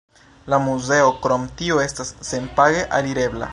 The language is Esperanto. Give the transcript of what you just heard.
La muzeo krom tio estas senpage alirebla.